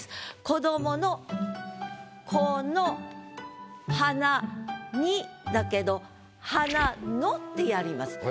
子どもの「子の鼻に」だけど「鼻の」ってやります。